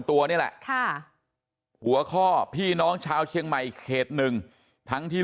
ตัวนี่แหละค่ะหัวข้อพี่น้องชาวเชียงใหม่อีกเขตหนึ่งทั้งที่